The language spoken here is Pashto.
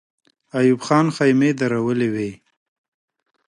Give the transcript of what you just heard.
ایوب خان خېمې درولې وې.